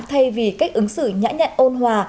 thay vì cách ứng xử nhã nhạn ôn hòa